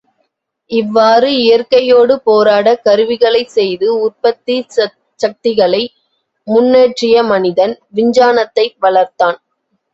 இவ்வாறு இயற்கையோடு போராடக் கருவிகளைச் செய்து உற்பத்திச் சக்திகளை முன்னேற்றிய மனிதன், விஞ்ஞானத்தை வளர்த்தான்.